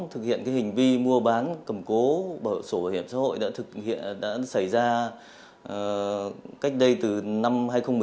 thực hiện hình vi mua bán cầm cố sổ bảo hiểm xã hội đã xảy ra cách đây từ năm hai nghìn một mươi tám